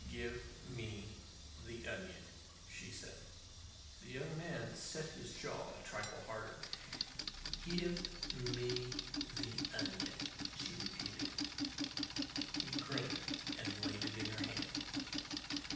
"Give me the onion," she said. The young man set his jaw a trifle harder. "Give me the onion," she repeated. He grinned, and laid it in her hand.